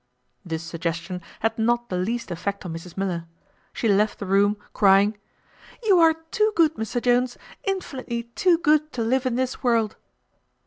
This suggestion had not the least effect on Mrs Miller. She left the room, crying, "You are too good, Mr Jones, infinitely too good to live in this world."